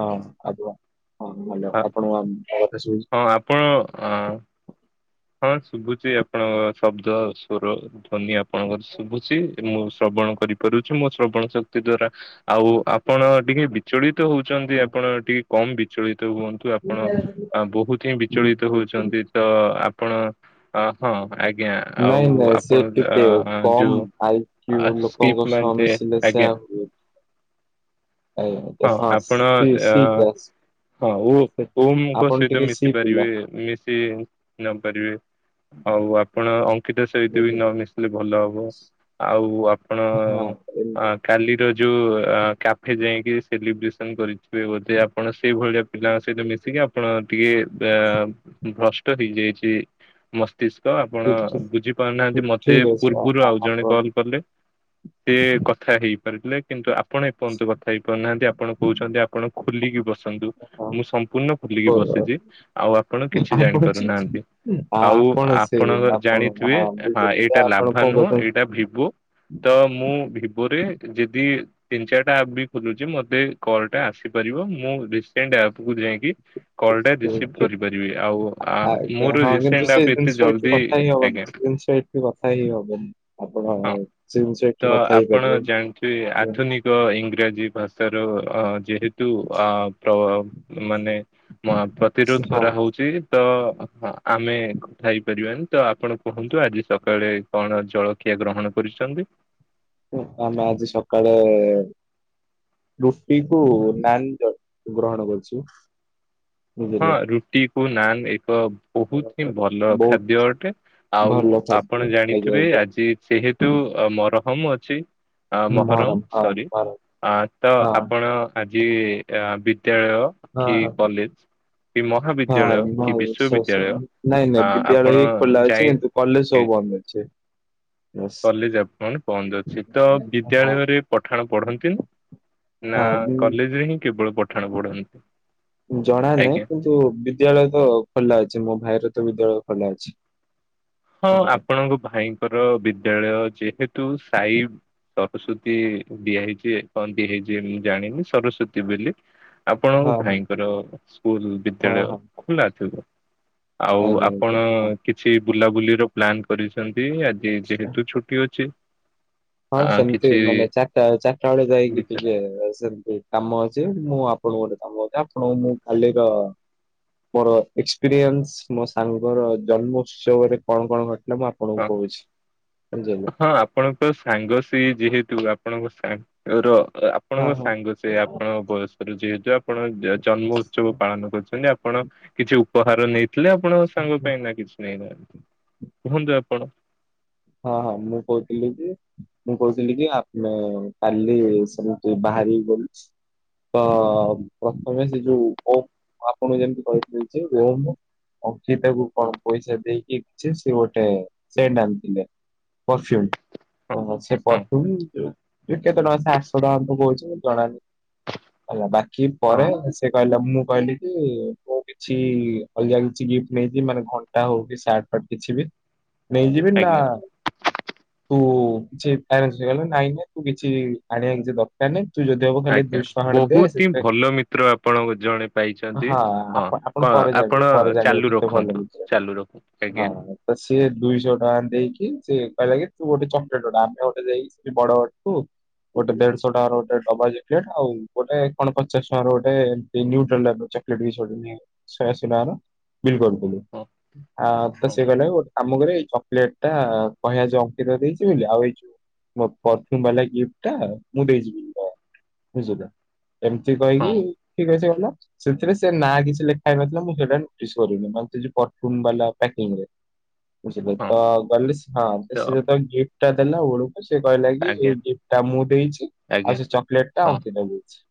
ହଁ ଆଉ କୁହ ହଁ ଭଲ ଆ- ଆପଣ। [unintelligible] ହଁ ଆପଣ ଆଁ- ହଁ ଶୁବୁଚି ଆପଣଙ୍କ ଶବ୍ଦ। ତୋର ଧ୍ୱନି ଆପଣଙ୍କର ଶୁବୁଚି ମୁଁ ଶ୍ରବଣ କରି କରୁଚି ମୋ ଶ୍ରବଣ ଶକ୍ତି ଦ୍ଵାରା ଆଉ ଆପଣ ଟିକେ ବିଚଳିତ ହଉଚନ୍ତି ଆପଣ ଟି କମ୍ ବିଚଳିତ ହୁଅନ୍ତୁ ଆପଣ ବହୁତି ହିଁ ବିଚଳିତ ହଉଚନ୍ତି ତ ଆ ହଁ ଆଜ୍ଞା ନାଇଁ ଆଉ ନାଇଁ ସେ ଆପଣ ଟିକେ ଅ- କମ୍ ଯଉ ଆଇ କ୍ୟୁ ପ୍ରି ଲୋକଙ୍କ ସହ ପ୍ଲାନ୍ ତେ ମିଶିଲେ ସେୟା ଆଜ୍ଞା। ହୁଏ। ଆଜ୍ଞା ହଁ ଆପଣ ସି ସି କ୍ଲାସ୍ ଅ ହଉ ସେ ଓମ୍ ଙ୍କ ଆପଣ ସହିତ ଟିକେ ସି ମିଶି ପିଲା। ପାରିବେ ମିଶ୍ ଶି ନପାରିବେ ଆଉ ଆପ୍ ଆପଣ ଅଙ୍କିତା ସହିତ ବି ହଁ ନ ମିଶିଲେ ଭଲ ହବ ଆଉ ଆପଣ ଆ କାଲିର ଯଉ ଅ-କ୍ୟାଫେ ଯାଇଁକି ସେଲିବ୍ରେସନ କରିଥିବେ ବୋଧେ ଆପଣ ସେଇ ଭଳିଆ ପିଲାଙ୍କ ସହିତ ମିଶିକି ଆପ୍ ଆପଣ ଟିକେ ଏ- ଭ୍ରଷ୍ଟ ହେଇଯାଇଚି ମସ୍ ମସ୍ତିଷ୍କ ଆପଣ ବୁଝି ପାରୁନାହାନ୍ତି ମତେ ଠିକ ଅଛି ଆ ପୂର୍ବରୁ ଆ ଆଉ ଜଣେ ଆପଣ କଲ୍ କଲେ ସିଏ କଥା ହେଇପାରିଲେ କିନ୍ତୁ ଆପଣ ଏପର୍ଯ୍ୟନ୍ତ କଥା ହେଇ କହୁନାହାଁନ୍ତି ଆପଣ କହୁଛନ୍ତି ଆପଣ ଖୋଲିକି ବସନ୍ତୁ ହଁ। ମୁଁ ସମ୍ପୂର୍ଣ୍ଣ ଖୋଲିକି ବସିଚି ଆଉ ଆପଣ କିଛି ଜାଣି ଆପଣ ପାରୁନାହାଁନ୍ତି ଆଉ ଆପଣ ସେ ଆପଣଙ୍କ ଆପଣ ଜାଣିଥିବେ ହଁ ବୁଝିଲି ଏଇଟା ଆପଣ ଲାଭା କଣ ନୁହଁ ଏଇଟା ଏଇଟା ଭିଭୋ ତ ମୁଁ ଭିବୋରେ ଯଦି ତିନି ଚାରିଟା ଆପ୍ ବି ଖୋଲୁଚି ମତେ କଲଟା ଆସିପାରିବ ମୁଁ ରିସେଣ୍ଟ ଆପକୁୁ ଯାଇକି କଲଟା ରିସିଭ୍ କହୁଛନ୍ତି? କରିପାରିବି ଆଉ ଆ ଆଜ୍ଞା ମୋର ହଁ କିନ୍ତୁ ରିସେଣ୍ଟ ଆପ୍ ଏତେ ଜଲ୍ଦି ଆଜ୍ଞା। ସେଠି କଥା ହେଇ ହବନି ହଁ। ଆପଣଠି କଥା ହେଇପାରିବେ ତୋ ଇଂରାଜୀ ଭାଷାର ଯେହେ କିନ୍ତୁ ଅ ପ୍ର ମାନେ ମହା ପ୍ରତିରୋଧ ହଁ କରାହଉଚି ତ ଅ ଆମେ ଥାଇପାରିବାନି ତଆପଣ କୁହନ୍ତୁ ଆଜି ସକାଳେ କଣ ଜଳଖିଆ ଗ୍ରହଣ କରିଚନ୍ତି? ଉ ଆମେ ଆଜି ସକାଳେ ରୁଟି କୁ ନାନ୍ ଗ ଗ୍ରହଣ କରିଚୁ। ହଁ ରୁଟିକୁ ନାନ୍ ଏବଂ ବହୁତ୍ ହିଁ ଭଲ ବହୁତ ଖାଦ୍ୟ ଅଟେ ଆଉ ଭଲ ଖାଦ୍ୟ ଆପଣ ଆଜ୍ଞା ଜାଣିଥିବେ ଆଜ୍ଞା ଆଜି ଯେହେତ ତୁ ମରହମ ଅଛି ଆଁ ମହରମ ହଁ ସରି ମହରମ ହଁ। ତଆପଣ ଆଜି ବିଦ୍ୟାଳୟ କି ହଁ କଲେଜ୍ ହଁ ନାଁ ବିଶ୍ଵବିଦ୍ୟାଳୟ ସୋସରି ନାଇଁ ନାଇଁ ଆପଣ ବିଦ୍ୟାଳୟ ଖୋଲା ଯାଇ ଅଛି କିନ୍ତୁ କଲେଜ୍ ସବୁ ବନ୍ଦ ଅଛି। କଲେଜ୍ ଆପଣଙ୍କର ବନ୍ଦ ଅଛି ହଁ ତବିଦ୍ୟାଳୟରେ ପଠାଣ ପଢନ୍ତିନି? ନା ହଁ କଲେଜରେ ହିଁ କେବଳ ପଢ ଜଣା ନାହିଁ ଆଜ୍ଞା। କି କିନ୍ତୁ ବିଦ୍ୟାଳୟତ ଖୋଲା ଅଛି ମୋ ଭାଇରତ ବିଦ୍ୟାଳୟ ଖୋଲା ଅଛି। ହଁ ବୁଝିଲେ ଆପଣଙ୍କ ଭାଇଙ୍କର ବିଦ୍ୟାଳୟ ଯେହେତୁ ସାଇ ସରସ୍ଵତୀ ଦିଆ ହେଇଚି ଏପଯ୍ୟନ୍ତ ହେଇଚି ବୋଲି ମୁଁ ଜାଣିନି ସରସ୍ଵତୀ ବୋଲି ଆପଣଙ୍କ ହଁ ହଁ ଭାଇଙ୍କର ସ୍କୁଲ୍ ହଁ ବିଦ୍ୟାଳୟ ହଁ ଖୋଲା ଥିବ। ଆଉ ଆଜ୍ଞା ଆଜ୍ଞା ଆପଣ ହଁ। କିଛି ବୁଲାବୁଲିର ପ୍ଲାନ କରିଚନ୍ତି ଆଜି ଯେହେତୁ ଛୁ ଛୁଟି ଅଛି। ହଁ ଆ ସେମିତି କିଛି ମାନେ ଚାରିଟା ଚାରିଟା ବେଳେ ଯାଇକି ବିଚା ଟିକେ ସେମିତି କାମ ଅଛି ମୁଁ ଆପଣଙ୍କୁ ଗୋଟେ କାମ ଅଛି ଆପଣଙ୍କୁ ମୁଁ କାଲିର ମୋର ଏକ୍ସପିରିଏନ୍ସ ମୋ ସାଙ୍ଗର ଜନ୍ମ ଉତ୍ସବରେ କଣ କଣ ଘ ମୁଁ ଆପଣଙ୍କୁ ହଁ କହୁଛି ଜୟ ଜଗ ହଁ ଆପଣଙ୍କ ସାଙ୍ଗ ସେଯେହେତୁ ଆପଣଙ୍କ ସାଙ୍ଗର ଆ ହଁ ଆପଣଙ୍କ ହଁ। ସାଙ୍ଗସେ ଆପଣଙ୍କ ବୟସ କରୁଚି ଯେଆପଣ ଜନ୍ମ ଉତ୍ସବ ପାଳନ କରୁଛନ୍ତି ଆପଣ କିଛି ଉପହାର ନେଇ ଥିଲେ ଆପଣଙ୍କ ସାଙ୍ଗ ପାଇଁ ନାକିଛି ନେଇନାହାନ୍ତି କୁହନ୍ତୁ ଆପଣ? ହଁ ହଁ ମୁଁ କହୁଥିଲିକି ମୁଁ କହୁଥିଲିକି ଆମେ କାଲି ସେମିତି ବାହାରି ଗଲି ତ ପ୍ରଥମେ ସେଯୋଉ ଓ ଆପଣ ଯେମିତି କହିଥିଲି ଯେ, ରୁମ୍ ଅର୍ଚିତାକୁ କଣ ପଇସା ଦେଇକି କିଛି ସେଗୋଟେ ସେଣ୍ଟ୍ ଆଣିଥିଲେ। ପରଫ୍ୟୁମ୍ ହଁ ଓହୋ ସେ ହଁ ପରଫ୍ୟୁମ୍ [unintelligible] କେତେ ଟଙ୍କା ସେ ଆଠଶହ ଟଙ୍କା ପକାଉଚି ଜଣାନାହିଁ ହେଲା ବାକି ହଁ ପରେ ସେ କହିଲା ମୁଁ କହିଲି କି କିଛି ଅଲଗା କିଛି ଗିଫ୍ଟ ନେଇକି ମାନେ ଘଣ୍ଟା ହଉକି ସାର୍ଟ ଫାର୍ଟ କିଛିବି ନେଇଯିବିିନି ନା ଆଜ୍ଞା ପୁ ଚିନ୍ତା ଆସିଗଲେ ନାଇଁ ନାଇଁ ତୁ କିଛି ଆଣିବା କିଛି ଦ କାନେ ତୁଯଦି ହବ ଖାଲି ଆଜ୍ଞା ଦୁଇଶ ଖଣ୍ଡେ ଦେ ବହୁତ ହିଁ ସେତ ଭଲ ମିତ୍ର ଆପଣ ଜଣେ ପାଇଛନ୍ତି। ହଁ ହଁପ କଣ ପରେ ଆପଣ ଯାଣିଲି ପରେ ଜାଣିବେ ଚାଲୁ କେତେ ରଖନ୍ତୁ ଭଲ ହେଇଛ ଚାଲୁ ରଖନ୍ତୁ ଆଜ୍ଞା। ହଁ ତ ସିଏ ଦୁଇଶହ ଟଙ୍କା ଦେଇକି ସେ କହିଲା କି ତୁ ଗୋଟେ ଚକଲେଟର ଦାମ୍‌ ମତେ ଦେଇକି ବଡ ବାଟ ଟୁ ଗୋଟେ ଦେଢଶହ ଟଙ୍କାର ଗୋଟେ ଡବା ଜକଲେଟ ଆଉ ଗୋଟେ କଣ ପଚାଶ ଟଙ୍କାର ଗୋଟେ [unintelligible] ସହେ ଆସି ଟଙ୍କାର ବିଲ୍ କରିଦେଲୁ ହଁ ଆ ତ ହଁ ସେ କଇଲାକି ଗୋଟେ କାମ କରିବା ଏ ଚକ୍ଲେଟଟା କହିବା ଯେ ଅଙ୍କିତ ଦେଇଛି ବୋଲି ଆଉ ଏ ପର୍ଫୁମ୍ ବାଲା ଗିଫ୍ଟ ଟା ମୁଁ ଦେଇିଚି ବୋଲି ବୁଝିଲ ଏମତି ହଁ କହିକି ଠିକସେ ଗଲା ସେମତିରେ ସେ ନାଁ କିଛି ଲେଖା ହେଇ ନଥିଲା ମୁଁ ସେଇଟା ନୋଟିସ କରିନି ଆଉ ଯୋ ପର୍ଫୁମ ବାଲା ପେକିଂରେ। ବୁଝିଲେ ହଁ ତ ଗଲି ତ ହଁଳେ ଗିଫ୍ଟ ଟା ଦେଲା ବେଳକୁ ସେ କହିଲା କି ଆଜ୍ଞା ଏଇ ଗିଫ୍ଟ ଟା ମୁଁ ଦେଇଚି ଆଜ୍ଞା ଆଉ ସେ ଚକୋଲେଟ ଟା ହଁ ଅଙ୍କିତା ଦେଇଚି।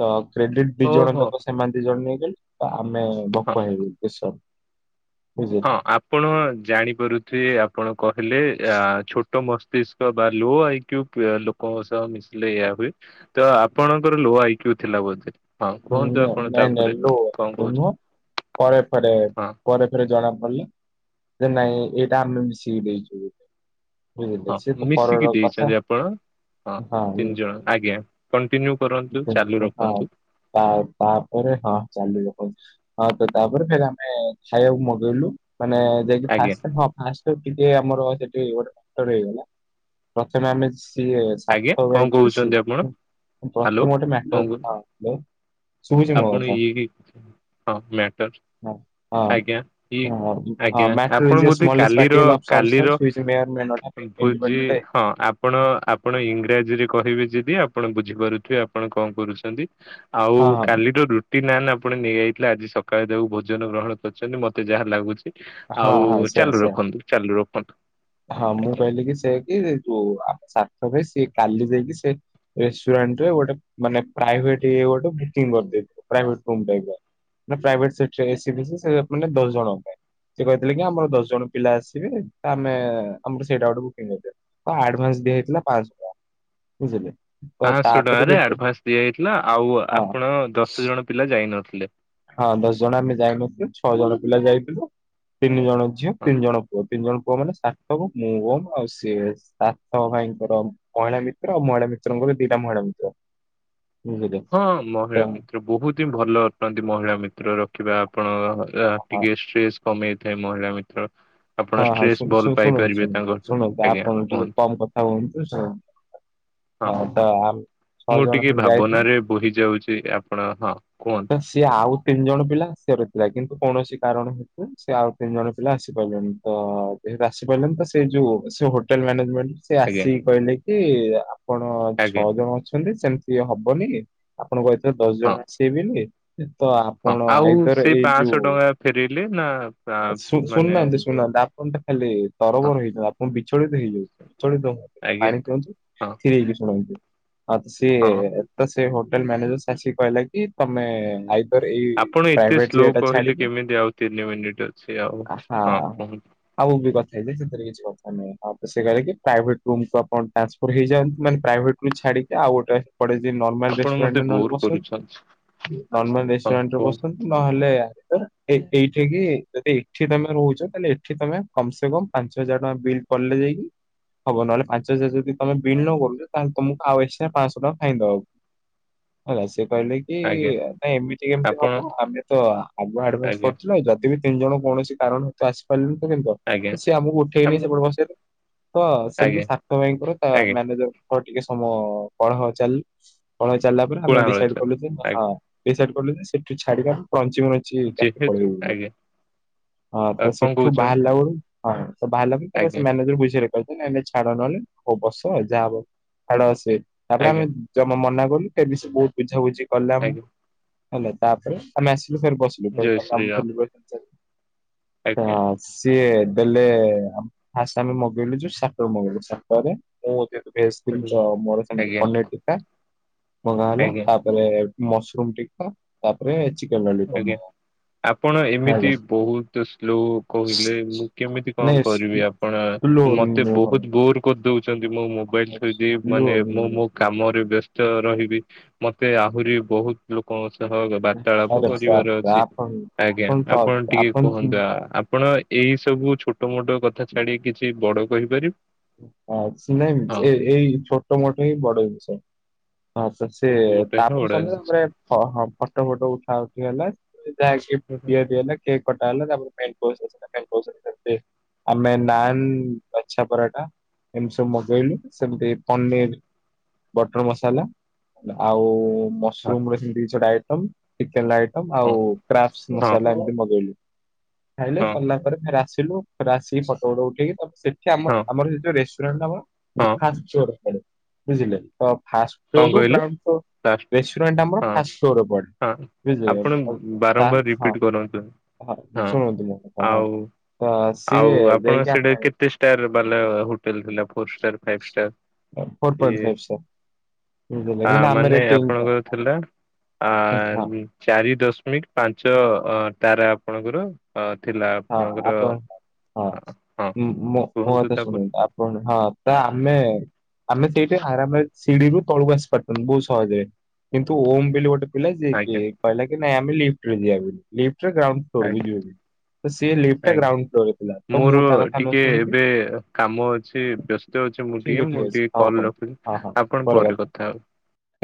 ତ କ୍ରେଡିଟ ଦି ଜଣ ଓହୋ ତକ ସେମାନେ ଦି ଜଣ ନେଇଗଲେ ତ ଆମେ ହଁ। ଭୋକୁଆ ହେଇଗଲୁ ବେଶ। ହଁ ଆପଣ ଜାଣିପାରୁଥିବେ ଆପଣ କହିଲେ ୟା ଛୋ ଟ ମସ୍ତିଷ୍କ ବାଲୁ ଆଇ କ୍ୟୁ ଲୋକଙ୍କ ସହ ମିଶିଲେ ଏୟା ହୁଏ ତ ଆପଣଙ୍କର ଲୌ ଆଇକ୍ୟୁ ଥିଲା ବୋଧେ? ହଁ ହୁଁ କୁହନ୍ତୁ ଆପଣ ନାଇଁ ନାଇ ତାପରେ କଣ କହୁଛନ୍ତି ଲୁୁହ ପରେ ପରେ ହଁ ପରେ ପରେ ଜଣା ପଡିଲ ଯେ ନାଇଁ ଏଇଟା ଆମେ ମିଶିକି ଦେଇଚୁ ବୋ ବୁଝିଲେ ହଁ ସେ ମିଶିକି ପରିର ଦେଇଛନ୍ତି କଥା। ଆପଣ। ହଁ ତିନି ଜଣ ଆଜ୍ଞା କଣ୍ଟିନ୍ୟୁ କରନ୍ତୁ ଚାଲୁ ହଁ ରଖନ୍ତୁ। ତା ତା ତାପରେ ହଁ ଚାଲି ରଖନ୍ତ ହଁ ତ ତାପରେ ଫେର ଆମେ ଖାଇବାକୁ ମଗେଇଲୁ ମାନେ ଯାଇକି ଆଜ୍ଞା ଫାଷ୍ଟ ହ ଆସ୍ ତ ଟିକେ ଆମର ସେଠି ଗୋଟେ ମଡର ହେଇଗଲା ପ୍ରଥମେ ଆମେ ସିଏ ଆଜ୍ଞା। ତାଙ୍କ କଣ ବ୍ୟାଚର କହୁଛନ୍ତି ଆପଣ ସିଏ ହ୍ୟାଲୋ ପ୍ରଥମ ଗୋଟେ କଣ ମାଟର- କହୁ- ହଁ ଥିଲେ। ଆପଣ ଇଏ ହି ହଁ ମ୍ୟାଟର ହଁ ଆଜ୍ଞା ଇ ହଁ ହଁ ହଁ ଆଜ୍ଞା ମ୍ୟାଟର ଆପଣ ଇଜ ଏ ବୋଧେ ସ୍ମଲେଷ୍ଟ କାଲିର ପାର୍ଟିକଲ ଅଫ ସବଷ୍ଟାନ୍ସ କାଲିର which may or may not have ଭୋଜି ଇଣ୍ଡିପେଣ୍ଡେଣ୍ଟ ହଁ ଆପ ଆପଣ ଆପଣ ଇଂରାଜୀରେ କହିବେ ଯିଦି ଆପଣ ବୁଝିପାରୁଥିବେ ଆପଣ କଣ କରୁଛନ୍ତି ଆଉ ହଁ ଏଡ୍ରୋ ରୁଟି ନା ଆପଣ ନେଇଯାଇଥିଲେ ଆଜି ସକାଳେ ଯୋଉଭୋନ ଗ୍ରହଣ କରଚନ୍ତି ମତେ ଯାହା ଲାଗୁଚ୍ ହଁ ହଁ ଆଉ ହଁ ସେଇଆ ଚାଲୁ ସେଇଆ ରଖନ୍ତୁ ଚାଲୁ ରଖନ୍ତୁ ଆଜ୍ଞା। ଟିକେ ସେକି ଦେ ଯୋ ଆପ ସାତ ପାଇଁ ସିଏ କାଲି ଯାଇକି ସେ ରେସୁଆଣ୍ଡ ର ଗୋଟେ ମାନେ ପ୍ରାଇଭେଟ ଇଏ ଗୋଟେ ବୁକିଂ କରିଦେଇଥିବ ପ୍ରାଭେଟ୍‌ ରୁମ୍ ପାଇବ। ନା ପ୍ରାଇଭେଟ ସେଟ ଏସି ବିସି ସେ ମାନ ଦଶ ଜଣଙ୍କ ପାଇଁ। ସେ କହିଥିଲେ କି ଆମର ଦଶ ଜଣ ପିଲା ଆସିବେ ତ ଆମେ ଆମର ସେଇଟା ଗୋଟେ ବୁକିଂ କରିଦୀୟ। ହଁ ଆଡଭାନ୍ସ ଦିଆ ହେଇଥିଲା ପାଞ୍ଚଶହ ଟଙ୍କା। ବୁଝିଲେ? ତ ପାଶହ ତାପରେ ଟଙ୍କାରେ ଯେତେ ଆଡ଼ଭାନ୍ସ ଦିଆଇଥିଲା ଆଉ ହଁ ଆପଣ ଦଶ ଜଣ ପିଲା ଯାଇନଥିଲେ। ହଁ ଦଶ ଜଣ ଆମେ ଯାଇନଥିଲୁ ଛଅ ଜଣ ପିଲା ଯାଇଥିଲୁ। ତିନି ଜଣ ଝିଅ ହଁ। ତିନି ଜଣ ପୁଅ ତିନି ଜଣ ପୁଅ ମାନେ ସାତକ ମୁବନ୍ ଆଉ ସିଏ। ସାତ ଭାଇଙ୍କର ମହିଳା ମିତ୍ର ଆଉ ମହିଳା ମିତ୍ରଙ୍କର ଦିଟା ମହିଳା ମିତ୍ର। ବୁଝିଲେ ହଁ ମହିଳା ତ ମିତ୍ର ବହୁତ ହିଁ ଭଲ ଅଟନ୍ତି ମହିଳା ମିତ୍ରର କିବା ଆପଣଙ୍କ ଏହା ହଁ ଟିକେ ଷ୍ଟ୍ରେସ୍ କମେଇଥାଏ ମହିଳା ମିତ୍ର। ହଁ ଆପଣ ହଁ ଶୁ ଷ୍ଟ୍ରେସ୍ ଶୁ ଭଲ୍ ଶୁଣନ୍ତୁ ପାଇପାରିବେ ତାଙ୍କଠାରୁ ଆଜ୍ଞା କୁହନ୍ତୁ। ହଉନ୍ତୁ ହଁ। ହଉ ତ ଆ ଛଅ ଜଣ ଖଣ୍ଡେ ଯାଇଥିଲୁ। ବହି ଯାଉଚି ଆପଣ ହଁ କୁହ। ତ ସିଏ ଆଉ ତିନି ଜଣ ପିଲା ଆସିବାର ଥିଲା କିନ୍ତୁ କୌଣସି କାରଣ ହେତୁ ସେ ଆଉ ତିନି ଜଣ ପିଲା ଆସିପାଇଲେଣି। ତ ଯେହେତୁ ଆସି ପାଇଲେନି ତ ସେ ଯୋଉ ସେ ହୋଟେଲ ମାନେଜମେଣ୍ଟ ସେ ଆଜ୍ଞା। ଆସିକି କହିଲେ କି ଆପଣ ଆଜ୍ଞା ଛଅ ଜଣ ଅଛନ୍ତି ସେମ ଇଏ ହବନି ଆପଣଙ୍କୁ କହିଥିଲେ ଦଶ ହଁ ଜଣ ଆସିବେ ବୋଲି। ତ ହଁ ଆପଣ ଆଉ ଆଇଦର ସେ ଏଇ ପାଞ୍ଚଶହ ଯୋଉ ଟଙ୍କା ଫେରେଇଲେ ନା ଆ, ଏ ଶୁ-ଶୁଣୁ ମାନେ ନାହାନ୍ତି ଶୁଣୁ ନାହାନ୍ତି ଆ କଣଟା ଖାଲି ହଁ ତରବର ହେଇଯାଉ ଆପଣ ବିଛଳିତ ହେଇଯାଉ ବିଚଳିତ ହୁଅନ୍ତୁନି ଆଜ୍ଞା ପାଣି ପିଅନ୍ତୁ୍ ହଁ ଥିର୍ ହେଇକି ଶୁଣନ୍ତୁ। ହଁ ହଁ ସିଏ ତ ସେ ହୋଟେଲ ମ୍ୟାନେଜର ସାର୍ ସିଏ କହିଲା କି ତମେ ଆଇ ଆପଣ ଏତେ ସ୍ଲୋ କହିଲେ କେମିତି ଆଉ ତିନି ମିନିଟ୍ ଅଛି ଆଉ ହଁ କୁହନ୍ତୁ। ଆଉ ବି କଥା ହେବି ସେଥିରେ କିଛି କଥା ନାଇଁ ହଁ ପ ସିଏ କହିଲେ କି ପ୍ରାଇଭେଟ ରୁମ କୁ ଆପଣ ଟ୍ରାନ୍ସ ପର ହେଇଯାଆନ୍ତି ମାନେ ପ୍ରାଇଭେଟ ରୁୁ ଛାଡିକି ଆଉ ଗୋଟେ ଏପଟେ ଯିଏ ନର୍ମାଲ ରେଷ୍ଟୁରାଣ୍ଟରେ ନହେଲେ ବସନ୍ତି। ଆଚ୍ଛା। ନର୍ମାଲ ରେଷ୍ଟୁରାଣ୍ଟ ରେ ବସିଚନ୍ତି। ନହେଲେ ଭିତରେ ଏଇ-ଏଇଠି ହେଇକିି ଯଦି ଏଠି ତମେ ରହୁଚ ତାହେଲେ ଏଠି ତମେ କମ୍ ସେ କମ୍ ପାଞ୍ଚ ହଜାର ଟଙ୍କା ବିଲ୍ ପଡିଲେ ଯାଇକି ହବ ନହେଲେ ପାଞ୍ଚ ହଜାର ଯଦି ତମେ ବିଲ୍ ନ କରୁଚ ତାହେଲେ ତମକୁ ଆଉ ଏକ୍ସଟ୍ରା ପାଂଶହ ଟଙ୍କା ଫାଇନ ଦବାକୁ। ହେଲା ସେ କହିଲେ କି ଆଜ୍ଞା ନାଇ ଏମିତି କେମତି ହବ ଆପଣ ଆମେ ତ ଆ-ଆଗ ଆଡଭାନ୍ସ ଆଜ୍ଞା କରଚୁ ନାଇଁ ଯଦି ବି ତିନି ଜଣ କୌଣସି କାରଣ ରୁ ତ ଆସି ପାଇଲୁନି ତ କେମତି ହବ ଆଜ୍ଞା ତ ସିଏ ଆମୁକୁ ଉଠେଇ ନେଇ ଆମ ସେପଟେ ବସେଇଲେ। ତ ସେମିତି ଆଜ୍ଞା ସାତ ଭାଇଙ୍କର ତା ଆଜ୍ଞା ମ୍ୟାନେଜରଙ୍କର ଟିକେ ସମୟ କଳହ ଚାଲ ପଢା ଚାଲିଲା ପରେ ଆମେ କୋଳାହଳ ଡିସାଇଡ ଚାଲ କଲୁ କି ହଁ ଆଜ୍ଞା ଡିସାଇଡ କଲୁ କି ସେ ଠି ଛାଡିବା ବଞ୍ଚି ବଞ୍ଚିକା ଯେହେତୁ ପଳେଇବୁ ଏବେ। ଆଜ୍ଞା ହଁ ତ ଆଉ କଣ ସେଠୁ କହୁଛନ୍ତି ବାହାରିଲା ବେଳୁ ହଁ ବାହାରିଲା ତାଙ୍କ ସେ ଆଜ୍ଞା ମ୍ୟାନେଜର ବୁଝେ ର [unintelligible] ଏବେ ଛାଡ ନ ହେଲେ ହଉ ବସ ଯାହା ହବ ଛାଡ ସେ ତାପରେ ଆମେ ଆଜ୍ଞା ଜମା ମନା କଲୁ ଫେରେ ବି ସେ ବହୁତ ବୁଝାବୁଝି କଲେ ଆଜ୍ଞା ଆମୁକୁ ହେଲେ ତାପରେ ଆମେ ଆସିଲୁ ଫେରେ ବସ୍ [unintelligible] ଜୟ ହଁ ଶ୍ରୀରାମ ଆଜ୍ଞା ହଁ। ସିଏ ଦେଲେ ଫାଷ୍ଟ ଆମେ ମଗେଇଲୁ ଯୋଉ ଷ୍ଟାଟର ମଗେଇଲୁ ଷ୍ଟାଟରରେ ମୁଁ ଯେହେତୁ ଭେଜ ଥିଲି ତ ମୋର ସେମତି ଆଜ୍ଞା ପନିର ଟିକ୍କା ମଙ୍ଗା ହେଲା ଆଜ୍ଞା ତା ପ ରେ ମସରୁମ ଟିକ୍କା ତାପରେ ଚିକେନ ଲଲିପପ ଆଜ୍ଞା ମଙ୍ଗା ଆପଣ ଏମିତି ହେଲା। ବହୁତ ସ୍ଲୋ କହିଲେ ମୁଁ କେମିତି କଣ ନାଇଁ କରିବି ଆ ସ୍ଲୋ ପଣ ମତେ ନୁହଁ ବହୁତ ବୋର କରିଦଉଚନ୍ତି ମୋ ମୋବାଇଲ ଥୋଇ ଦେଇ ସ୍ଲୋ ମାନେ ମୁଁ ନୁହଁ। ମୋ କାମରେ ବ୍ୟସ୍ତ ରହିବି ମତେ ଆହୁରି ବହୁତ ଲୋକଙ୍କ ସହ ବାର୍ତ୍ତାଳା ପ ଆରେ କରିବାର ବାପରେ ଅଛି ଆପଣ ଆଜ୍ଞା ତ ଆପଣ ଟିକେ ତ କୁହନ୍ତୁ ଆ-ଆପଣ ଏଇ ସବୁ ଛୋଟ ମୋଟ କଥା ଛାଡି କିଛି ବଡ କହିପାରି ହଁ ସେ ନାଇଁ ଏଇ ଏଇ ଛୋଟ ମୋଟ ହିଁ ବଡ ବିଷୟ। ହଁ ତ ଛୋଟ ସିଏ ମୋଟ ହିଁ ତାପରେ ବଡ କଲେ ଜିନିଷ। ତାପରେ ହଁ ହଁ ଫଟୋ ଫଟୋ ଉଠା ଉଠି ହେଲା ଯାହାକି ପି ହଁ ଦିଆ ହେଲା। କେକ୍ କଟା ହେଲା ତାପରେ ମେନ୍ କୋର୍ସ ରେ ଥିଲା [unintelligible] ଆମେ ନାନ୍ ଲଚ୍ଛା ପରା ଟା ଏମିତି ସବୁ ମଗେଇଲୁ ସେମିତି ପନିର୍ ବଟର ମସାଲା ଆଉ ମସରୁମ ରେ ସେମିତି କିଛି ଗୋଟେ ଆଇଟମ ଚିକେନ ଲେ ଆଇଟମ ହଁ ଆଉ କ୍ରାବସ୍ ହଁ ମସଲା ଏମତି ମଗେଇଲୁ। ଖାଇଲେ ହଁ ସରିଲା ପରେ ଫେରେ ଆସିଲୁ ଫେରେ ଆସିକି ଫଟ ଫଟ ଉଠେଇକି ତା ସେଠି ଆ ହଁ ଆମର ସେଇ ଯୋଉ ରେଷ୍ଟୁରାଣ୍ଟ ନାମ। ହଁ। [inaudible] ବୁଝିଲେ ତ ଫାଷ୍ଟ କଣ ଫ୍ଲୋର ରୁ କହିଲେ ଗ୍ରାଉଣ୍ଡ ଫ୍ଲୋର ଲାଷ୍ଟ ରେଷ୍ଟୁରାଣ୍ଟ ଆମର ହଁ ଫାଷ୍ଟ ଫ୍ଲୋର ରେ ହଁ। ପଡ଼େବୁଝିଲେ ଆପଣ କି ତା ବାରମ୍ବାର ହଁ। ରିପିଟ କରନ୍ତୁ ହଁ ଶୁଣନ୍ତୁ ମୋ କଥା ହଁ ଆଉ ତ ଆଉ ସିଏ ଆପଣ ଦେଇକି ସେଇଟା ଆସିଶାଲାଣି। କେତେ ଷ୍ଟାର ବାଲା ହୋଟେଲ ଥିଲା four star five star four point ଇଏ ଫାଇଭ ଷ୍ଟାର ବୁଝିଲେ ଆଁ କିନ୍ତୁ ଆମେ ମାନେ ରେଟିଂ ଆପଣଙ୍କର ଥିଲା ହଁ ଆଁ ହଁ ନି ଚାରି ଦଶ୍ମିକ୍ ପାଞ୍ଚ ତାରା ଆପଣଙ୍କର ଆଁ ଥିଲା ଆପଣଙ୍କର। ଆପଣ ହଁ ଅ- ହଁ ମ୍ ମୋ କୁହନ୍ତୁ ମୋକଥା ତାପରେ ଶୁଣନ୍ତୁ ଆପଣ ହାତ୍ ତା ଆମେ ଆମେ ସେଇଠି ଆରାମରେ ସିଡିିରୁୁ ତଳକୁ ଆସି ପାରିଥାନ୍ତୁ ବହୁତ୍ ସହଜରେ। କିନ୍ତୁ ଓମ୍ ବେଲି ଗୋଟେ ପିଲା ଯିଏ ଆଜ୍ଞା କିଏ କହିଲା କି ନାଇ ଆମେ ଲିଫ୍ଟରେ ଯିବାକୁ ଲିଫ୍ଟରଗ୍ରାଉଣ୍ଡ ଫ୍ଲୋରକୁ ଆଜ୍ଞା ଯିବାକୁ। ଆଜ୍ଞା- ତ ମୋର ମୁଁ ତା କଥା ନ ଟିକେ ଶୁଣିକି ଏବେ କାମ ଅଛି ବ୍ୟସ୍ତ୍ ଯାଉଛି ମୁଁ ଟିକେ ଠିକ ଠିକ ମୁଁ ଅଛି ଟିକେ ହଉ କଲ ହଉ ହଁ ରଖୁଛି ହଁ ଆପଣ ପରେ କଥା ହେବେ।